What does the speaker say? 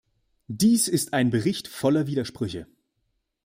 Dies ist ein Bericht voller Widersprüche.